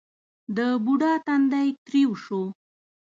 د بوډا تندی ترېو شو: